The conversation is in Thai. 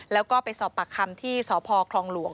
แล้วก็ไปสอบปากคำที่สพคลองหลวง